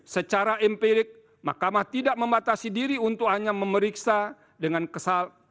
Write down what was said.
secara empirik mahkamah tidak membatasi diri untuk hanya memeriksa dengan kesal